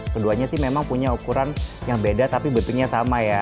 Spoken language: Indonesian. keduanya sih memang punya ukuran yang beda tapi bentuknya sama ya